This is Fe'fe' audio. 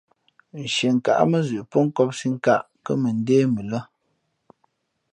Nshienkáʼ mά zʉʼ pó nkōpsī nkāʼ kά mʉndé mʉ lά.